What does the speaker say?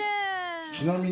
ちなみに。